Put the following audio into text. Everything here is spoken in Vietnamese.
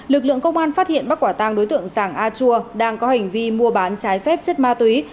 lực lượng công an phát hiện bắt quả tang đối tượng giàng a chua đang có hành vi mua bán trái phép chất ma túy